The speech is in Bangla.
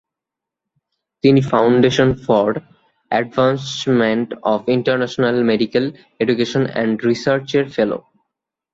তিনি "Foundation for Advancement of International Medical Education and রিসার্চের" ফেলো।